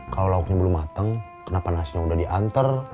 kalau lauknya belum matang kenapa nasinya udah diantar